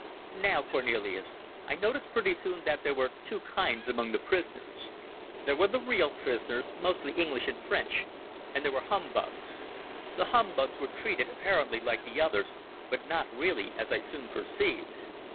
"Now, Cornelis, I noticed pretty soon that there were two kinds among the prisoners. There were the real prisoners, mostly English and French, and there were humbugs. The humbugs were treated, apparently, like the others, but not really, as I soon perceived.